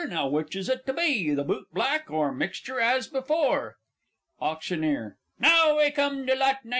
Now which is it to be the "Boot Black," or "Mixture as Before"? AUCT. Now we come to Lot 19.